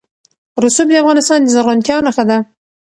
رسوب د افغانستان د زرغونتیا نښه ده.